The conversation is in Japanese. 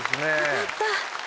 よかった。